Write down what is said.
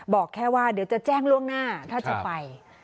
บอกแค่ว่าเดี๋ยวจะแจ้งล่วงหน้าถ้าจะไป